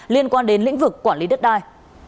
liên quan đến lĩnh vực quản lý đất đai